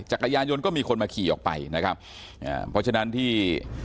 จักรยานยนต์ก็มีคนมาขี่ออกไปนะครับอ่าเพราะฉะนั้นที่